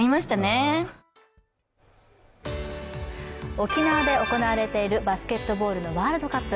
沖縄で行われているバスケットボールのワールドカップ。